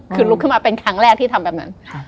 คือลุกขึ้นมาเป็นครั้งแรกที่ทำแบบนั้น